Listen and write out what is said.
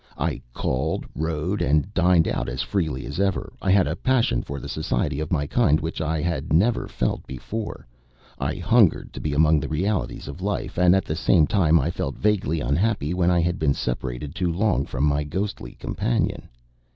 I called, rode, and dined out as freely as ever. I had a passion for the society of my kind which I had never felt before; I hungered to be among the realities of life; and at the same time I felt vaguely unhappy when I had been separated too long from my ghostly companion.